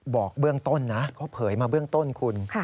บอกเบื้องต้นนะเขาเผยมาเบื้องต้นคุณ